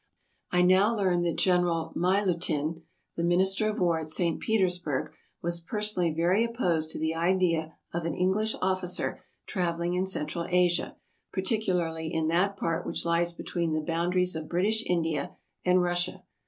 I now learned that General Milutin, the Minister of War at St. Petersburg, was person ally very opposed to the idea of an English officer traveling in Central Asia, particularly in that part which lies between the boundaries of British India and Russia.